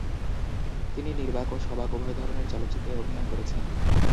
তিনি নির্বাক ও সবাক উভয় ধরনের চলচ্চিত্রে অভিনয় করেছেন।